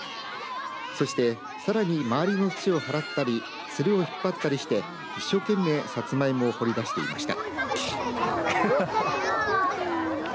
そしてさらに周りの土をはらったりつるを引っ張ったりして一生懸命サツマイモを掘り出していました。